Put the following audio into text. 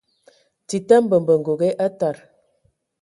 Tita mbembə ngoge aa tad.